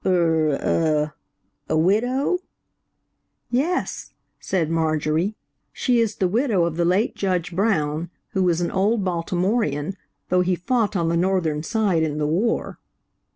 "Er–ah–a widow?" "Yes," said Marjorie, "she is the widow of the late Judge Brown, who was an old Baltimorean, though he fought on the Northern side in the war."